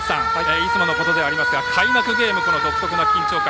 いつものことではありますが開幕ゲーム、独特の緊張感。